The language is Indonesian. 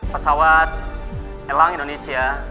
pesawat elang indonesia